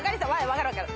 分かる分かる。